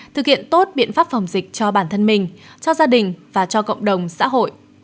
thực hiện tốt biện pháp phòng dịch cho bản thân mình cho gia đình và cho cộng đồng xã hội